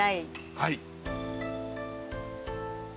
はい。